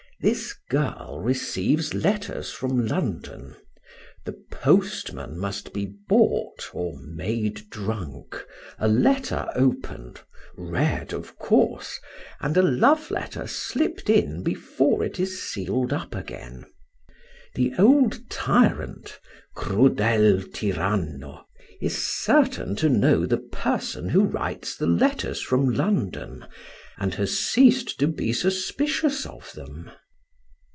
This girl receives letters from London. The postman must be bought or made drunk, a letter opened, read of course, and a love letter slipped in before it is sealed up again. The old tyrant, crudel tirano, is certain to know the person who writes the letters from London, and has ceased to be suspicious of them."